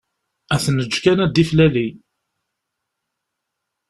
Ad t-neğğ kan ad d-iflali.